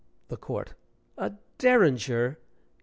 THE COURT. "A derringer!